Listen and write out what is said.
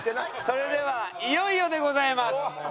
それではいよいよでございます。